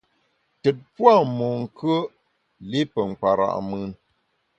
Tùt pua’ monkùe’, li pe nkpara’ mùn.